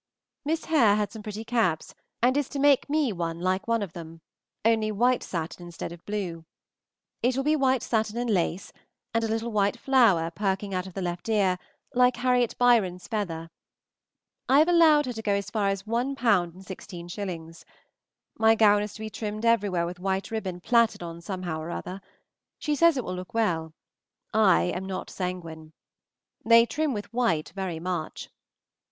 Miss Hare had some pretty caps, and is to make me one like one of them, only white satin instead of blue. It will be white satin and lace, and a little white flower perking out of the left ear, like Harriot Byron's feather. I have allowed her to go as far as 1_l._ 16_s._ My gown is to be trimmed everywhere with white ribbon plaited on somehow or other. She says it will look well. I am not sanguine. They trim with white very much.